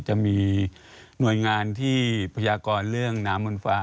จะมีหน่วยงานที่พยากรเรื่องน้ำบนฟ้า